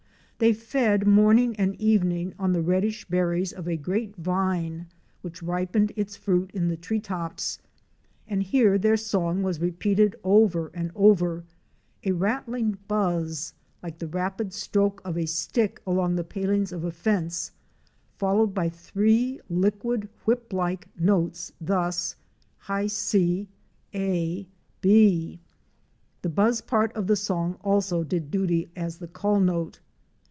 They fed morning and evening on the reddish berries of a great vine which ripened its fruit in the tree tops, and here their song was repeated over and over, a rattling buzz, like the rapid stroke of a stick along the palings of a fence, followed by three liquid, whip like netes, thus: ta a The buzz part of the song also =H did duty as the call note.